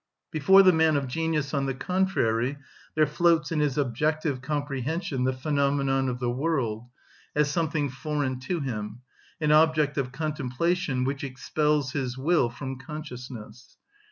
Before the man of genius, on the contrary, there floats in his objective comprehension the phenomenon of the world, as something foreign to him, an object of contemplation, which expels his will from consciousness.